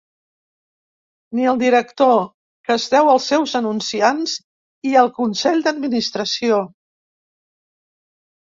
Ni el director, que es deu als seus anunciants i al consell d'administració.